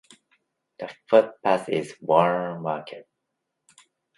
The footpath is waymarked.